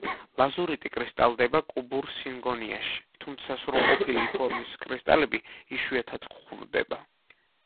ლაზურიტი კრისტალდება კუბურ სინგონიაში, თუმცა სრულყოფილი ფორმის კრისტალები იშვიათად გვხვდება.